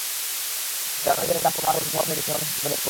কারণ জ্বালানি তেলের দাম কমার কোনো প্রভাব নেই দেশের মানুষের জীবনযাপনে।